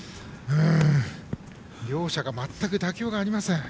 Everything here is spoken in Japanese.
両者、全く妥協がありません。